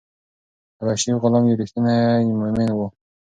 حبشي غلام یو ریښتینی مومن و.